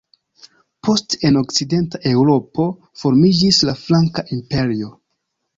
Poste en okcidenta Eŭropo formiĝis la franka imperio.